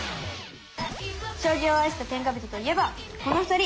将棋を愛した天下人といえばこの２人！